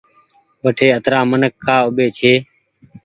وٺي اترآ منک ڪآ اوٻي ڇي۔